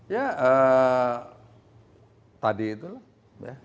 ya tadi itu lah